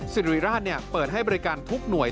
สิริราชเปิดให้บริการทุกหน่วย